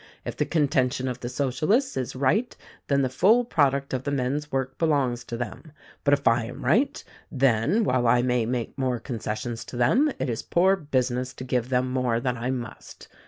If the contention of the Socialists is right then the full product of the men's work belongs to them ; but if I am right, then, while I may make concessions to them, it is poor business to give them more than I must.